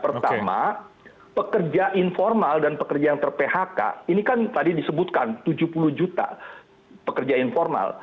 pertama pekerja informal dan pekerja yang ter phk ini kan tadi disebutkan tujuh puluh juta pekerja informal